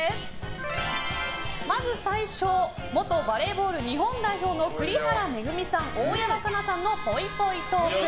まず最初元バレーボール日本代表の栗原恵さん、大山加奈さんのぽいぽいトーク。